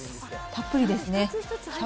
たっぷりですね。